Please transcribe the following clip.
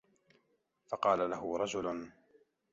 فَقَالَ لَهُ رَجُلٌ